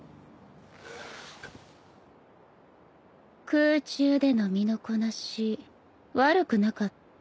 空中での身のこなし悪くなかった。